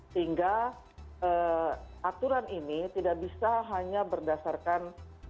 sehingga aturan ini tidak bisa hanya berdasarkan